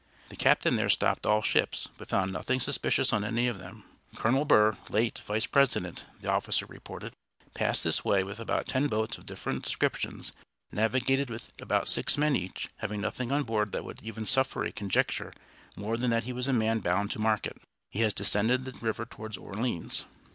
The captain there stopped all ships, but found nothing suspicious on any of them. "Colonel Burr, late Vice President," the officer reported, "passed this way with about ten boats of different descriptions, navigated with about six men each, having nothing on board that would even suffer a conjecture more than that he was a man bound to market. He has descended the river toward Orleans."